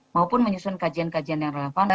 maupun menyusun kajian kajian yang relevan